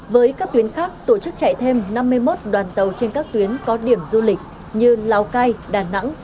với các tuyến khác tổ chức chạy thêm năm mươi một đoàn tàu trên các tuyến có điểm du lịch như lào cai đà nẵng